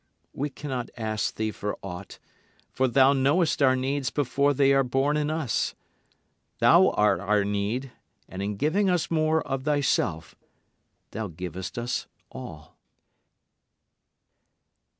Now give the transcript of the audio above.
We cannot ask thee for aught, for thou knowest our needs before they are born in us: Thou art our need; and in giving us more of thyself thou givest us all."